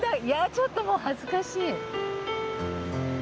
ちょっともう恥ずかしい。